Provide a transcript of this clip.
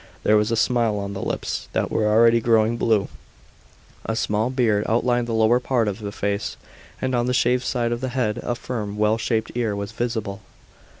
There was a smile on the lips that were already growing blue, a small beard outlined the lower part of the face, and on the shaved side of the head a firm, well shaped ear was visible.